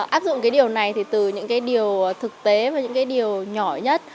áp dụng cái điều này thì từ những cái điều thực tế và những cái điều nhỏ nhất